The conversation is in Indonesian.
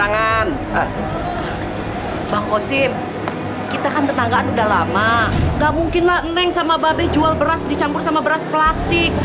gak mungkin lah neng sama babeh jual beras dicampur sama beras plastik